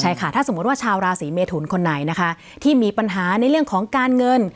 ใช่ค่ะถ้าสมมุติว่าชาวราศีเมทุนคนไหนนะคะที่มีปัญหาในเรื่องของการเงิน